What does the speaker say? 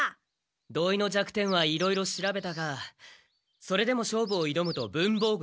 土井の弱点はいろいろ調べたがそれでも勝負をいどむと文房具でやられるんだ。